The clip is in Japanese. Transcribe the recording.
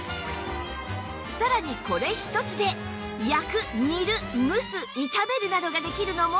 さらにこれ１つで焼く煮る蒸す炒めるなどができるのもポイント